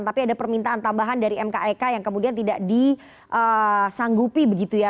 tapi ada permintaan tambahan dari mkek yang kemudian tidak disanggupi begitu ya